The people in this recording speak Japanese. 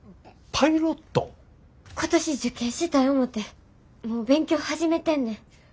今年受験したい思てもう勉強始めてんねん。